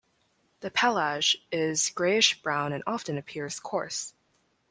The pelage is grayish-brown and often appears coarse.